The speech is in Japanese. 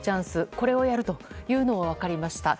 これをやるというのは分かりました。